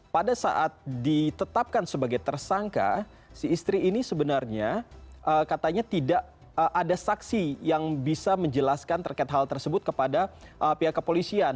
pada saat ditetapkan sebagai tersangka si istri ini sebenarnya katanya tidak ada saksi yang bisa menjelaskan terkait hal tersebut kepada pihak kepolisian